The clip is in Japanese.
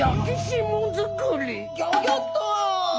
ギョギョッと！